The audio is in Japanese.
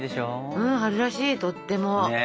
うん春らしいとっても。